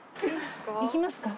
行きますか？